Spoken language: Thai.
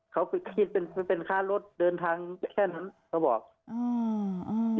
แต่เป็นค่ารถเดินทางแค่นั้นโบดค